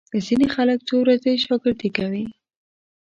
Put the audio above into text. ځینې خلک څو ورځې شاګردي کوي.